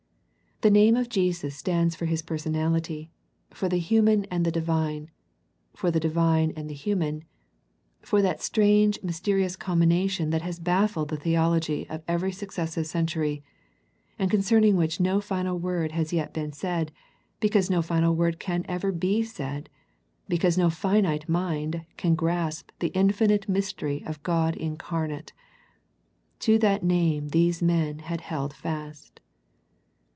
The name of Jesus stands for His personality, for the human and the Divine, for the Divine and the human, for that strange mysterious combina tion that has baffled the theology of every suc cessive century, and concerning which no final word has yet been said because no final word can ever be said, because no finite mind can grasp the infinite mystery of God incarnate. To that name these men had held fast.